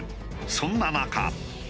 そんな中。